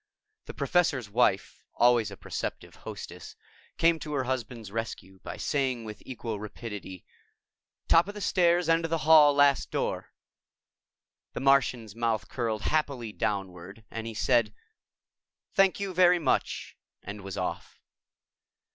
The Professor's Wife, always a perceptive hostess, came to her husband's rescue by saying with equal rapidity, "Top of the stairs, end of the hall, last door." The Martian's mouth curled happily downward and he said, "Thank you very much," and was off.